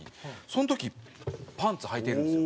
その時パンツはいてるんです。